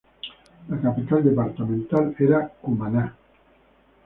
La capital departamental era Cumaná.